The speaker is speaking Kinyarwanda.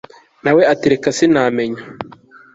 nawe ati reka sinamenya